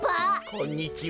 こんにちは。